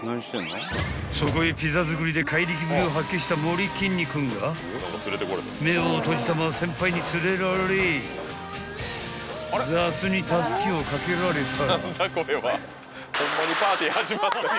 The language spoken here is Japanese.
［そこへピザ作りで怪力ぶりを発揮した森きんにくんが目を閉じたまま先輩に連れられ雑にたすきを掛けられたら］